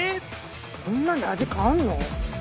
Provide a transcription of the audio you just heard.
こんなんで味変わんの？